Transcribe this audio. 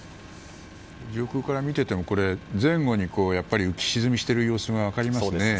上空から見ていても前後に浮き沈みしている様子が分かりますね。